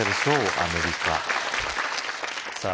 アメリカさぁ